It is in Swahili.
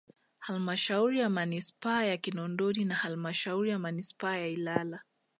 Halmashauri ya Manispaa ya Kinondoni na halmasahauri ya manispaa ya Ilala